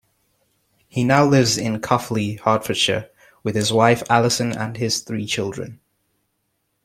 He now lives in Cuffley, Hertfordshire, with his wife, Alison and his three children.